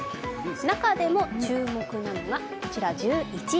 中でも注目なのがこちら１１位。